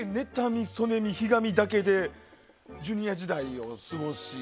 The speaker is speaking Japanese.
妬み、嫉み、ひがみだけでジュニア時代を過ごし。